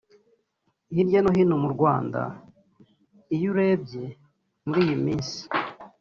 Hirya no hino mu Rwanda iyo urebye muri iyi minsi